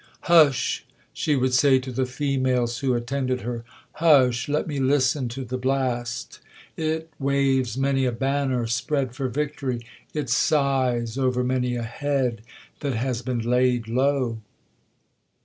'Hush!' she would say to the females who attended her—'Hush! let me listen to the blast!—It waves many a banner spread for victory,—it sighs over many a head that has been laid low!'